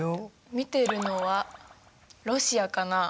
見てるのはロシアかな？